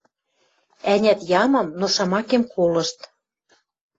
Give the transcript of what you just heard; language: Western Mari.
Ӓнят, ямам, но шамакем колышт: